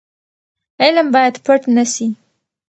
علم باید پټ نه سي.